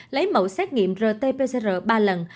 lấy mẫu xét nghiệm rt pcr ba lần